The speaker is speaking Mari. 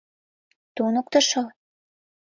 — Туныктышо?